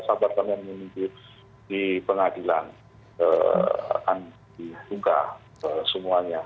sabar karena menunggu di pengadilan akan ditunggah semuanya